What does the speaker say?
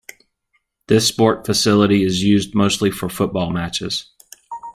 This sport facility is used mostly for football matches.